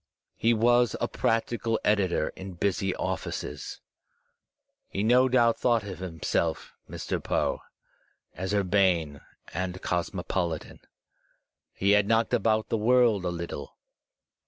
He was a practical editor in busy offices. He no doubt thought of himself, Mr. Poe, as urbane and cosmopolitan. He had knocked about the world a Uttle.